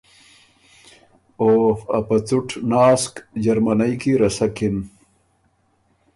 او ا په څُټ ناسک جرمنئ کی رسکِن۔